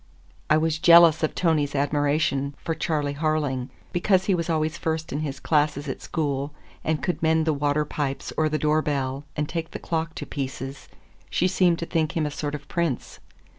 I was jealous of Tony's admiration for Charley Harling. Because he was always first in his classes at school, and could mend the water pipes or the door bell and take the clock to pieces, she seemed to think him a sort of prince.